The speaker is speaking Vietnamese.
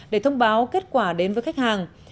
để thông báo kết quả đến với khách hàng